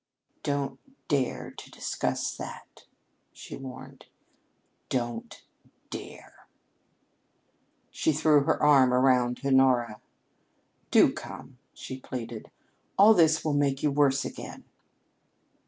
"Don't dare to discuss that," she warned. "Don't dare!" She threw her arm around Honora. "Do come," she pleaded. "All this will make you worse again."